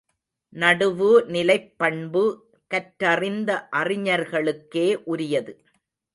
நடுவுநிலைப்பண்பு கற்றறிந்த அறிஞர்களுக்கே உரியது.